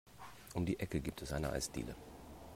Um die Ecke gibt es eine Eisdiele.